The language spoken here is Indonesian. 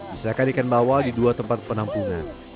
pisahkan ikan bawal di dua tempat penampungan